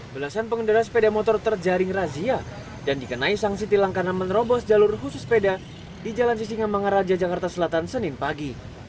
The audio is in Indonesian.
belasan pengendara sepeda motor terjaring razia dan dikenai sanksi tilang karena menerobos jalur khusus sepeda di jalan sisingamangaraja jakarta selatan senin pagi